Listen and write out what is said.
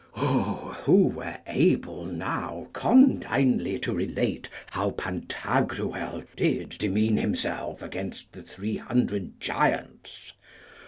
O who were able now condignly to relate how Pantagruel did demean himself against the three hundred giants!